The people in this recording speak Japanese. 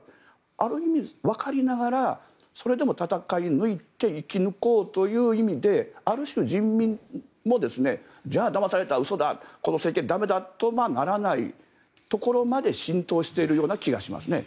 ある意味わかりながらそれでも戦い抜いて生き抜こうという意味である種、人民もじゃあ、だまされた、嘘だこの政権駄目だとならないところまで浸透しているような気がしますね。